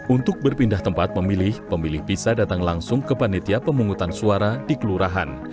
untuk berpindah tempat memilih pemilih bisa datang langsung ke panitia pemungutan suara di kelurahan